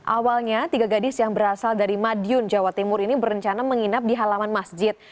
awalnya tiga gadis yang berasal dari madiun jawa timur ini berencana menginap di halaman masjid